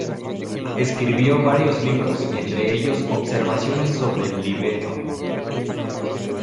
Escribió varios libros, entre ellos "Observaciones sobre el libelo".